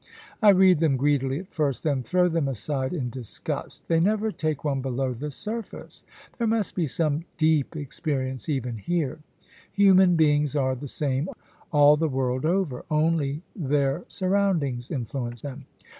I read them greedily at first ; then throw them aside in disgust They never take one below the surface. There must be some deep experience, even here. Human beings are the same all the world over ; only their surroundings influence them.